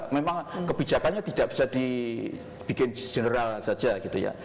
memang kebijakannya tidak bisa dibikin general saja gitu ya